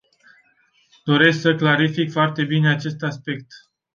Doresc să clarific foarte bine acest aspect.